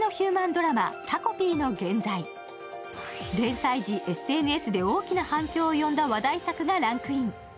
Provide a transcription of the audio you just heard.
連載時、ＳＮＳで大きな反響を呼んだ話題作がランクイン。